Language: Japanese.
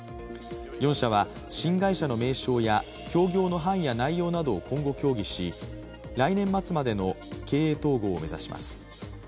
４社は新会社の名称や協業の範囲や内容などを今後協議し来年末までの経営統合を目指します。